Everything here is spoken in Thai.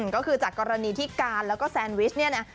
ก็คือจากกรณีที่การแล้วก็แซนวิชเนี่ยนะ